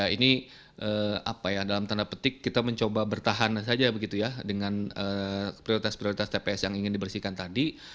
ini dalam tanda petik kita mencoba bertahan saja dengan prioritas prioritas tps yang ingin dibersihkan tadi